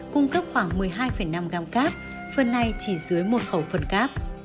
cung cấp khoảng một mươi hai năm gram cáp phần này chỉ dưới một khẩu phần cáp